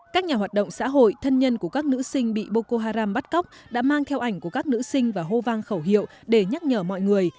các nhà hoạt động xã hội thân nhân của các nữ sinh bị bokoharam bắt cóc đã mang theo ảnh của các nữ sinh và hô vang khẩu hiệu để nhắc nhở mọi người